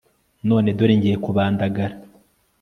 none dore ngiye kubandagara